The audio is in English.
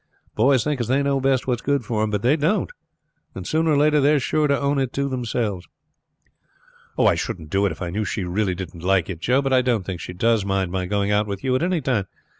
Boys think as they know best what's good for them; but they don't, and sooner or later they are sure to own it to themselves." "I shouldn't do it if I knew she really didn't like it, Joe; but I don't think she does mind my going out with you at any time.